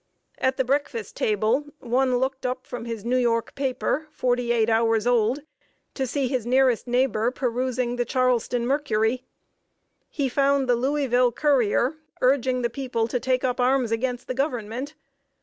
At the breakfast table, one looked up from his New York paper, forty eight hours old, to see his nearest neighbor perusing The Charleston Mercury. He found The Louisville Courier urging the people to take up arms against the Government.